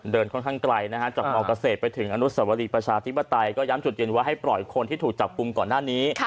ค่อนข้างไกลนะฮะจากมเกษตรไปถึงอนุสวรีประชาธิปไตยก็ย้ำจุดยืนว่าให้ปล่อยคนที่ถูกจับกลุ่มก่อนหน้านี้